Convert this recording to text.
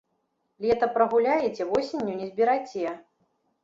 Лета прагуляеце – восенню не збераце